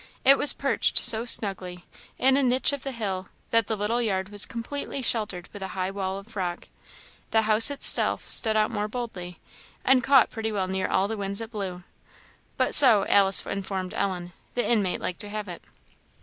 It was perched so snugly, in a niche of the hill, that the little yard was completely sheltered with a high wall of rock. The house itself stood out more boldly, and caught pretty well near all the winds that blew; but so, Alice informed Ellen, the inmate liked to have it.